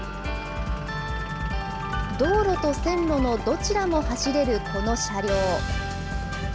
道路と線路のどちらも走れるこの車両。